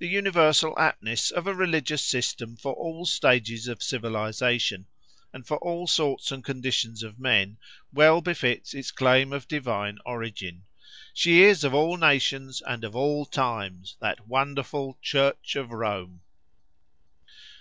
The universal aptness of a religious system for all stages of civilisation, and for all sorts and conditions of men, well befits its claim of divine origin. She is of all nations, and of all times, that wonderful Church of Rome!